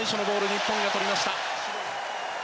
日本がとりました。